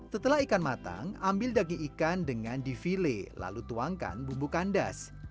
setelah ikan matang ambil daging ikan dengan di file lalu tuangkan bumbu kandas